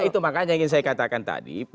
nah itu makanya yang ingin saya katakan tadi